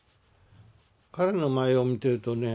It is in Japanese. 彼の舞を見てるとね